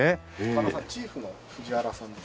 高田さんチーフのふじわらさんです。